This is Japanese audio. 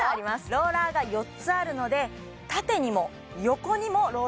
ローラーが４つあるので縦にも横にもローリングできるんです